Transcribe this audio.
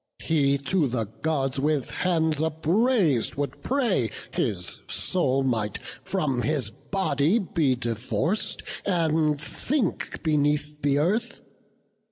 He to the Gods with hands uprais'd would pray His soul might from his body be divorc'd, And sink beneath the earth!